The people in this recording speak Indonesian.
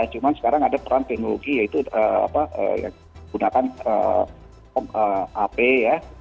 cuma sekarang ada peran teknologi yaitu gunakan ap ya